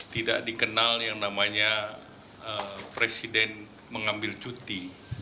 tidak dikenal yang namanya presiden mengambil cuti